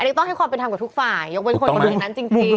อันนี้ต้องให้ความเป็นทำกับทุกฝ่ายยกเหมือนคนของเมืองนั้นจริง